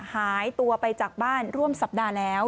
หายตัวไปจากบ้านร่วมสัปดาห์แล้ว